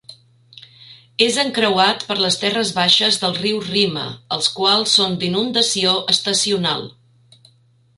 És encreuat per les terres baixes del riu Rima, els quals són d'inundació estacional.